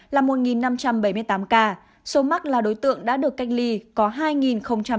là một năm trăm bảy mươi tám ca số mắc là đối tượng đã được cách ly có hai tám mươi hai ca